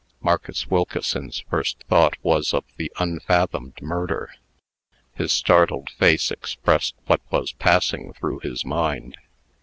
Marcus Wilkeson's first thought was of the unfathomed murder. His startled face expressed what was passing through his mind.